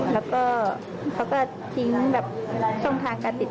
แล้วก็เขาก็ทิ้งตรงทางการติดต่อ